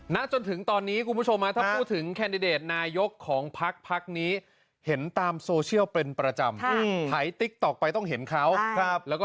ณจนถึงตอนนี้คุณผู้ชมถ้าพูดถึงแคนดิเดตนายกของพักพักนี้เห็นตามโซเชียลเป็นประจำถ่ายติ๊กต๊อกไปต้องเห็นเขาแล้วก็